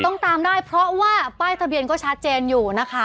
ต้องตามได้เพราะว่าป้ายทะเบียนก็ชัดเจนอยู่นะคะ